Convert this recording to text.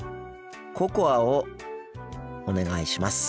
ココアをお願いします。